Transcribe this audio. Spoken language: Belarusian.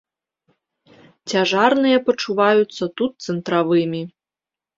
Цяжарныя пачуваюцца тут цэнтравымі.